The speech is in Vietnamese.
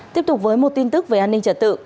tiếp tục với một tin tức về an ninh trật tự